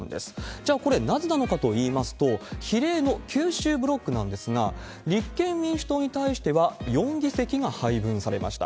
じゃあ、これなぜなのかといいますと、比例の九州ブロックなんですが、立憲民主党に対しては４議席が配分されました。